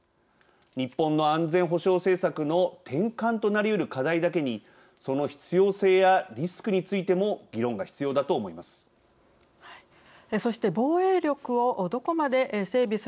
日本の安全保障政策の転換となりうる課題だけにその必要性やリスクについても議論が必要だと思います。